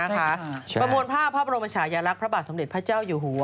ประมวลภาพพระบรมชายลักษณ์พระบาทสมเด็จพระเจ้าอยู่หัว